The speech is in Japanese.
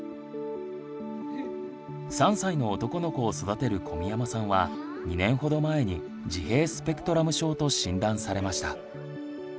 ３歳の男の子を育てる込山さんは２年ほど前に「自閉スペクトラム症」と診断されました。